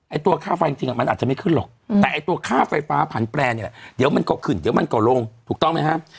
ตัวค่าไฟจริงมันอาจจะไม่ขึ้นหรอกแต่ไอ้ตัวค่าไฟฟ้าผันแปรเนี่ยแหละเดี๋ยวมันก็ขึ้นเดี๋ยวมันก็ลงถูกต้องไหมครับ